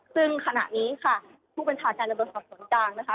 ซึ่งขณะนี้ค่ะผู้เจ้าการระเบิดผลศพตนตรญนะคะ